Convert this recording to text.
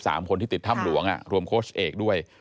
ทั้ง๑๓คนที่ติดถ้ำหลวงรวมโคชเอกด้วย